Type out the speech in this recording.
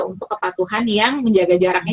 untuk kepatuhan yang menjaga jaraknya